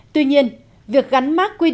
tuy nhiên việc gắn mác quy định